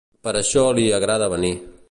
Per això li agrada venir.